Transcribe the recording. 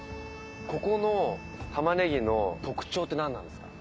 ここの玉ねぎの特徴って何なんですか？